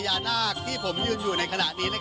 มันอาจจะเป็นแก๊สธรรมชาติค่ะ